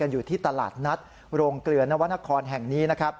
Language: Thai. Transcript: อยู่ที่ตลาดนัดโรงเกลือนณวนครแห่งนี้